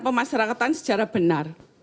pemasyarakatan secara benar